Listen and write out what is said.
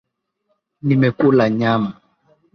Nimekula nyama.